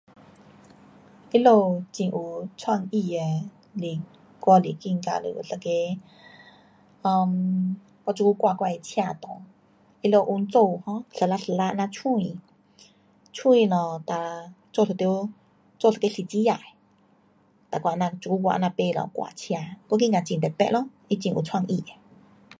他们很有创意的是，我是觉得是有一个 um 我现在挂我的车内，他们用珠 um 一粒一粒这样窜，窜了哒做一条，做一个十字架。哒我这样这久我这样买了挂车，我觉得很特别咯。它很有创意。